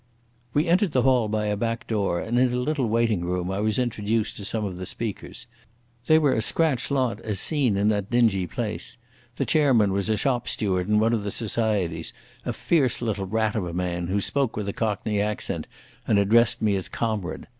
We entered the hall by a back door, and in a little waiting room I was introduced to some of the speakers. They were a scratch lot as seen in that dingy place. The chairman was a shop steward in one of the Societies, a fierce little rat of a man, who spoke with a cockney accent and addressed me as "Comrade".